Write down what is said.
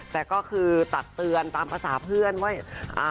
แต่ก็คือตักเตือนตามภาษาเพื่อนว่า